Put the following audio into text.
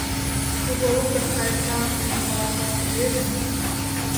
Кужолыкыш кайышашым палышаш ыле гын